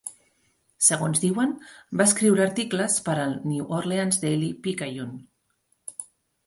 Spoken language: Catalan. Segons diuen va escriure articles per al "New Orleans Daily Picayune".